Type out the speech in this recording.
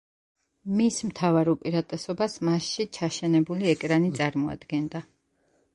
მის მთავარ უპირატესობას მასში ჩაშენებული ეკრანი წარმოადგენდა.